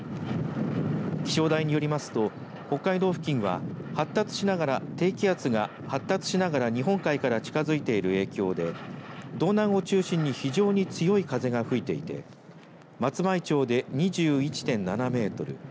気象台によりますと北海道付近は発達しながら低気圧が発達しながら日本海から近づいている影響で道南を中心に非常に強い風が吹いていて松前町で２１．７メートル